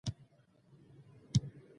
منډه د روغ ژوند اساس ده